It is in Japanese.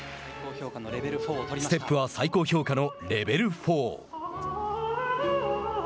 ステップは最高評価のレベル４。